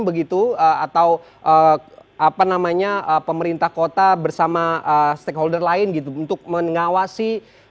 atau pemerintah kota bersama stakeholder lain untuk mengawasi